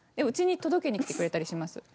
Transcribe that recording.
うちに届けにきてくれたりします。